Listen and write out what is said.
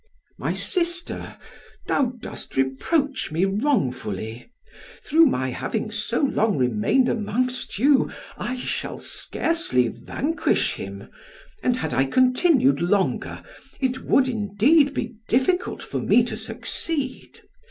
"My sister, thou dost reproach me wrongfully; through my having so long remained amongst you, I shall scarcely vanquish him; and had I continued longer it would, indeed, be difficult for me to succeed.